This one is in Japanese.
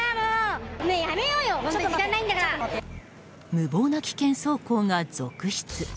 無謀な危険走行が続出。